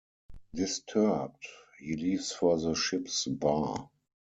Disturbed, he leaves for the ship's bar.